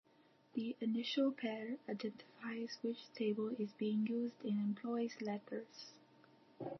The initial pair identifies which table is being used and employs letters.